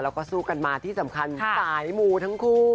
แล้วก็สู้กันมาที่สำคัญสายมูทั้งคู่